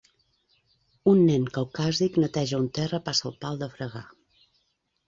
Un nen caucàsic neteja un terra passa el pal de fregar.